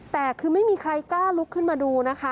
แต่คือไม่มีใครกล้าลุกขึ้นมาดูนะคะ